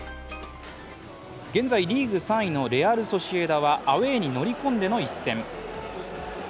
現在リーグ３位のレアル・ソシエダはアウェーに乗り込んでの一戦。